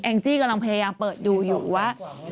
จี้กำลังพยายามเปิดดูอยู่ว่า